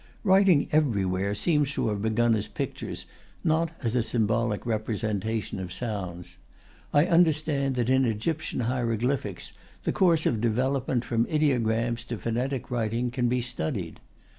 Writing everywhere seems to have begun as pictures, not as a symbolic representation of sounds. I understand that in Egyptian hieroglyphics the course of development from ideograms to phonetic writing can be studied.